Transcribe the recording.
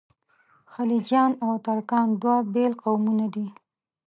خلجیان او ترکان دوه بېل قومونه دي.